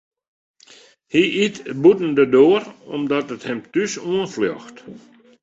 Hy yt bûten de doar omdat it him thús oanfljocht.